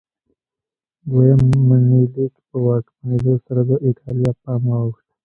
دویم منیلیک په واکمنېدو سره د ایټالیا پام واوښت.